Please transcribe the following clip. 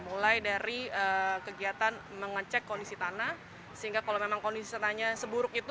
mulai dari kegiatan mengecek kondisi tanah sehingga kalau memang kondisi tanahnya seburuk itu